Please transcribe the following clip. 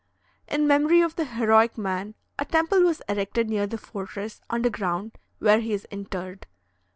In memory of the heroic man, a temple was erected near the fortress, under ground, where he is interred.